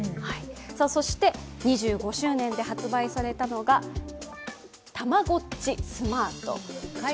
そして２５周年で発売されたのがタマゴッチスマート。